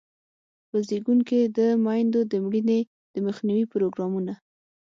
په زیږون کې د میندو د مړینې د مخنیوي پروګرامونه.